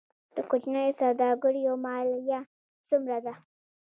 د کوچنیو سوداګریو مالیه څومره ده؟